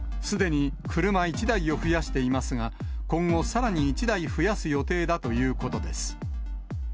すでに車１台を増やしていますが、今後さらに１台増やす予定だということです。